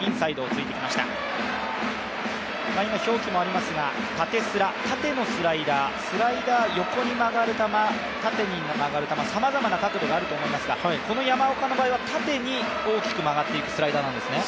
表記もありますが、縦スラ縦のスライダー、スライダー、横に曲がる球、縦に曲がる球、さまざまな角度があると思いますが、山岡の場合は縦に大きく曲がっているスライダーなんですね。